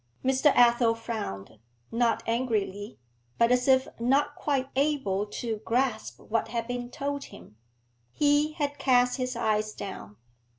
Mr. Athel frowned, not angrily, but as if not quite able to grasp what had been told him. He had cast his eyes down.